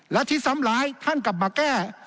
และที่ซ้ำร้ายท่านกลับมาแก้